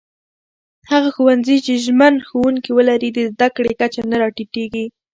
هغه ښوونځي چې ژمن ښوونکي ولري، د زده کړې کچه نه راټيټېږي.